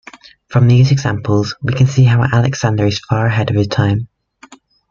From these examples, we can see how Alexander is far ahead of his time.